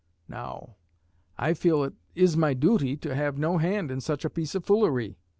Now, I feel it is my duty to have no hand in such a piece of foolery.